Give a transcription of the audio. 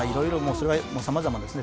それはさまざまですね。